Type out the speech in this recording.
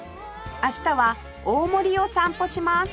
明日は大森を散歩します